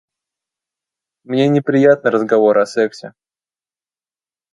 Мне неприятны разговоры о сексе.